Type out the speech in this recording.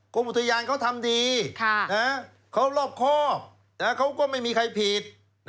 กรมอุทยานเขาทำดีเขารอบครอบเขาก็ไม่มีใครผิด